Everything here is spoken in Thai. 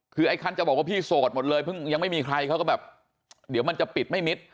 คือไอ้คันจะบอกว่าพี่โสดหมดเลยเพิ่งยังไม่มีใครเขาก็แบบเดี๋ยวมันจะปิดไม่มิด